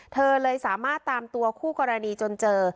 เธอเลยสามารถตามตัวคู่กรณีจนเจอ